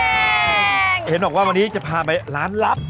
เห็นหรือเปล่าว่าวันนี้จะพาไปร้านลับ